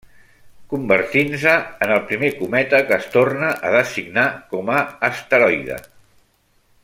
Convertint-se en el primer cometa que es torna a designar com a asteroide.